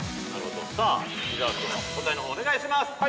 ◆さあ伊沢君、答えのほう、お願いします！